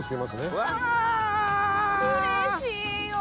うれしいよ。